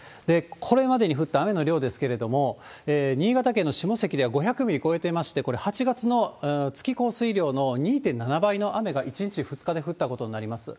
これまでに降った雨の量ですけども、新潟県の下関では５００ミリ超えていまして、これ、８月の月降水量の２．７倍の雨が１日、２日で降ったことになります。